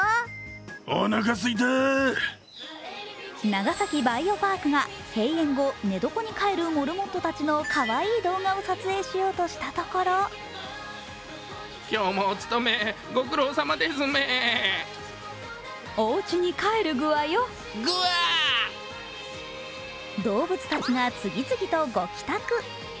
長崎バイオパークが閉園後、寝床に帰るモルモットたちのかわいい動画を撮影しようとしたところ動物たちが次々とご帰宅。